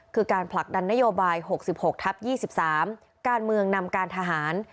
คือการผลักดันนโยบาย๖๖ทับ๒๓การเมืองนำการทหาร